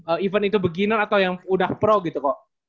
event itu begini atau yang udah pro gitu kok